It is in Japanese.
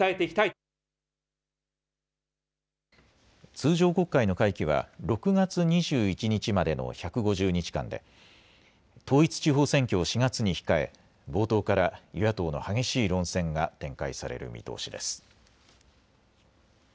通常国会の会期は６月２１日までの１５０日間で統一地方選挙を４月に控え冒頭から与野党の激しい論戦が展開される見通しです。